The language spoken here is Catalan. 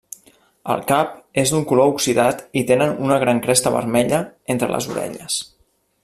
El cap és d'un color oxidat i tenen una gran cresta vermella entre les orelles.